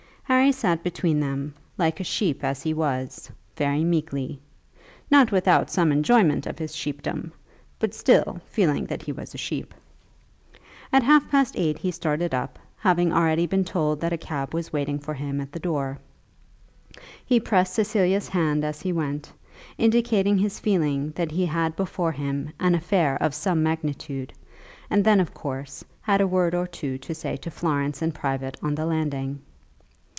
Harry sat between them, like a sheep as he was, very meekly, not without some enjoyment of his sheepdom, but still feeling that he was a sheep. At half past eight he started up, having already been told that a cab was waiting for him at the door. He pressed Cecilia's hand as he went, indicating his feeling that he had before him an affair of some magnitude, and then of course had a word or two to say to Florence in private on the landing.